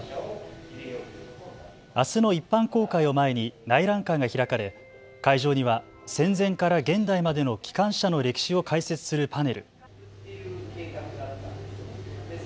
あすの一般公開を前に内覧会が開かれ、会場には戦前から現代までの機関車の歴史を解説するパネル。